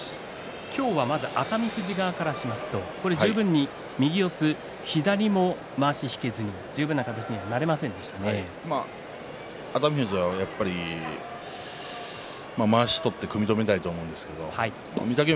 今日は熱海富士側からしますと十分に右四つで左も引けずに十分な形に熱海富士はやっぱりまわし取って組み止めたいと思うんですけど御嶽海